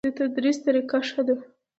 د تدریس طریقه ښه ده؟